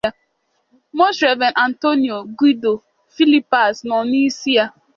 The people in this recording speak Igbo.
'Most Rev.' Antonio Guido Filipazz nọ n'isi ya